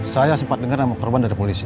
saya sempat dengar nama korban dari polisi